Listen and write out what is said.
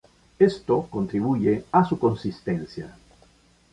Esto contribuye a su consistencia.